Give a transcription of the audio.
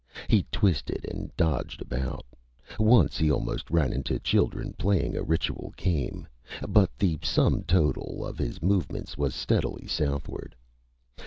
He twisted and dodged about once he almost ran into children playing a ritual game but the sum total of his movements was steadily southward.